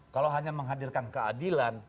kalau hanya menghadirkan keadilan